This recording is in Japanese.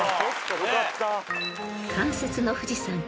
よかった。